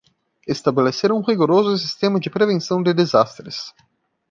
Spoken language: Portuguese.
Estabelecer um rigoroso sistema de prevenção de desastres